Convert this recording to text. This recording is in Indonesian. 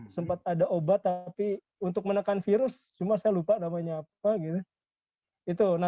sempat ada obat tapi untuk menekan virus cuma saya lupa namanya apa gitu